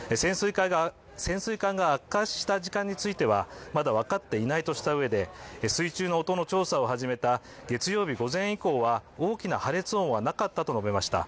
潜水艦が圧壊した時間についてはまだ分かっていないとしたうえで水中の音の調査を始めた月曜日午前以降は大きな破裂音はなかったと述べました。